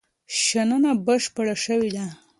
شننه بشپړه شوې ده.